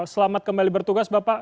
selamat kembali bertugas bapak